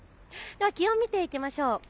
気温、見ていきましょう。